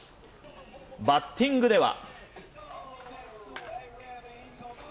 バッティングでは。